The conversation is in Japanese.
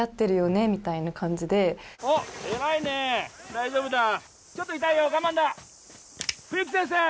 大丈夫だちょっと痛いよ我慢だ冬木先生